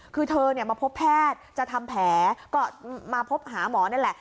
คือเธอมาพบแพทย์จะทำแผลก็มาพบหาหมอนั่นแหละ